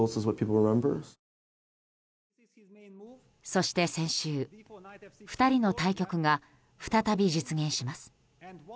そして先週２人の対局が再び実現します。